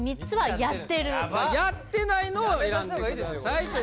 やってないのを選んでください